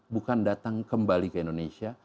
bukan datang kembali ke indonesia